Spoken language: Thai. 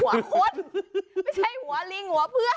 คนไม่ใช่หัวลิงหัวเพื่อน